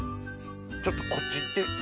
ちょっとこっちいって。